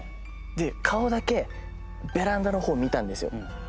顔だけベランダの方見たんですよ。